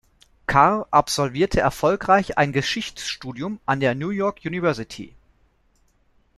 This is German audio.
Carr absolvierte erfolgreich ein Geschichtsstudium an der New York University.